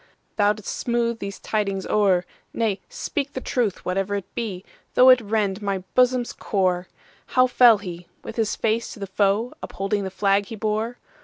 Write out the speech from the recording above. Thou 'dst smooth these tidings o'er,—Nay, speak the truth, whatever it be, Though it rend my bosom's core."How fell he,—with his face to the foe, Upholding the flag he bore?